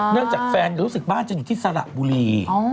จากแฟนรู้สึกบ้านจะอยู่ที่สระบุรี